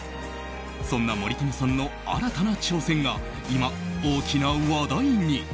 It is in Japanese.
そんな森友さんの新たな挑戦が今、大きな話題に。